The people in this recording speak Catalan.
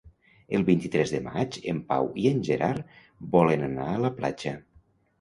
El vint-i-tres de maig en Pau i en Gerard volen anar a la platja.